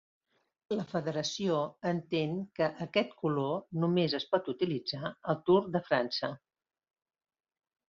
La Federació entén que aquest color només es pot utilitzar al Tour de França.